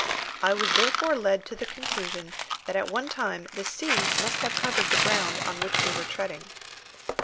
I was therefore led to the conclusion that at one time the sea must have covered the ground on which we were treading.